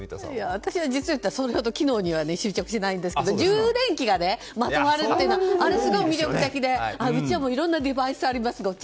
私は実を言うと機能には執着しないんですが充電器がまとまるというのはすごく魅力的でうちはいろんなデバイスがあるんですよ。